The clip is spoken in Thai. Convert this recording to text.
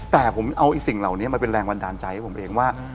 แต่ผมเอาสิ่งเหล่านี้มาเป็นแรงบันดาลใจให้ผมเองว่า